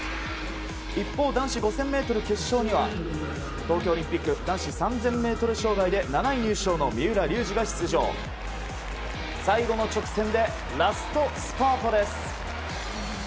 一方、男子５０００ｍ決勝には東京オリンピック男子３０００ｍ障害で７位の三浦龍司が出場最後の直線でラストスパートです。